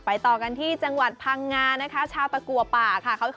ต่อกันที่จังหวัดพังงานะคะชาวตะกัวป่าค่ะ